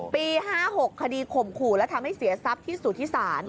ปี๕๖คดีข่มขู่และทำให้เสียทรัพย์ที่สุธิศาล